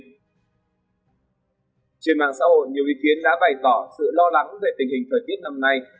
trên mạng xã hội nhiều ý kiến đã bày tỏ sự lo lắng về tình hình thời tiết năm nay